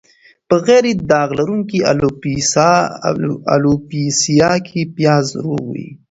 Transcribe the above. په غیر داغ لرونکې الوپیسیا کې پیاز روغ وي.